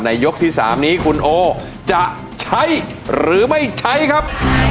ยกที่๓นี้คุณโอจะใช้หรือไม่ใช้ครับ